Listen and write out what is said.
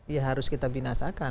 ya harus kita binasakan